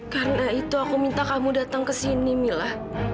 karena itu aku minta kamu datang ke sini mila